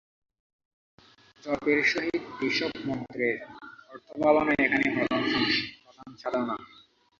জপের সহিত এই সব মন্ত্রের অর্থভাবনাই এখানে প্রধান সাধনা।